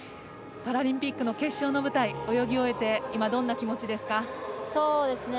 パラリンピックの決勝の舞台泳ぎ終えてどんなお気持ちですか。